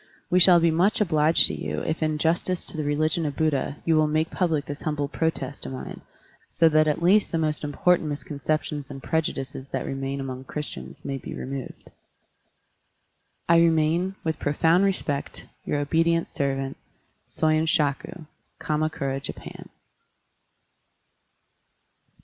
We shall be much obliged to you if in justice to the religion of Buddha you will make public this humble protest of mine, so that at least the most important misconceptions and prejudices that obtain among Christians may be removed. I remain, with profound respect, Your obedient servant. Katnakura, Japan.